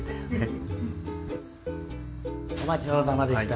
お待ちどおさまでした。